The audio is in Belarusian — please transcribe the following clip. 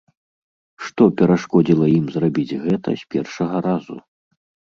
Што перашкодзіла ім зрабіць гэта з першага разу?